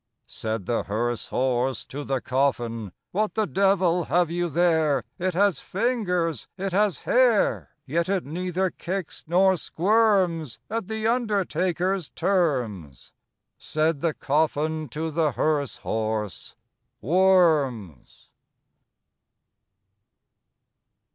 Said the hearse horse to the coffin, "What the devil have you there? It has fingers, it has hair; Yet it neither kicks nor squirms At the undertaker's terms." Said the coffin to the hearse horse, "Worms!"